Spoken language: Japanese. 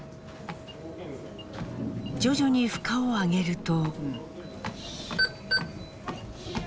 徐々に負荷を上げると。